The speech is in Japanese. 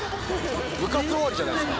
部活終わりじゃないですか。